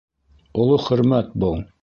Оло хөрмәт был.